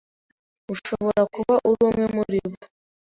Ushobora kuba urumwe muribo